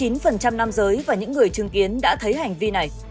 tám mươi chín nam giới và những người chứng kiến đã thấy hành vi này